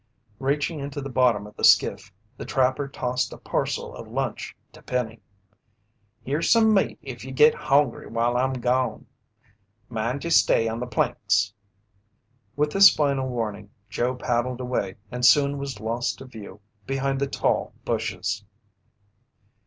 Reaching into the bottom of the skiff, the trapper tossed a parcel of lunch to Penny. "Here's some meat if ye git hongry while I'm gone. Mind ye stay on the planks!" With this final warning, Joe paddled away and soon was lost to view behind the tall bushes.